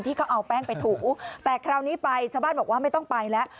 ก็เอาแป้งไปถูแต่คราวนี้ไปชาวบ้านบอกว่าไม่ต้องไปแล้ว